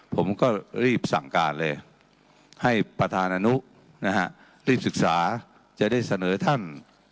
ผมก็รีบสั่งการเลยให้ประธานอนุนะฮะรีบศึกษาจะได้เสนอท่าน